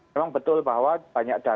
memang betul bahwa banyak data